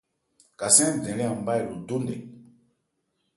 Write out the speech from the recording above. Kasé ń dɛn lê an má ɛ lo dó nkɛ.